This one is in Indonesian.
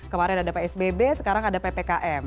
kemarin ada psbb sekarang ada ppkm